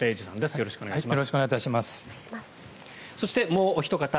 よろしくお願いします。